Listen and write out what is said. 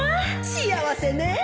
幸せねぇ